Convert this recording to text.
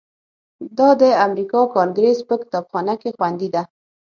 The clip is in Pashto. دا د امریکا کانګریس په کتابخانه کې خوندي ده.